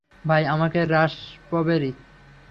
ভাই, আমাকে রাসপবেরি।